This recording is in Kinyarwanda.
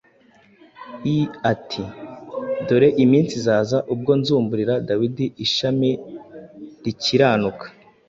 i ati: “Dore iminsi izaza, ubwo nzumburira Dawidi Ishami rikiranuka,